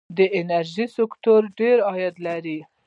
د انرژۍ سکتور ډیر عاید لري.